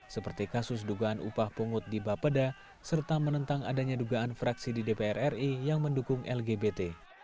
seperti kasus dugaan upah pungut di bapeda serta menentang adanya dugaan fraksi di dpr ri yang mendukung lgbt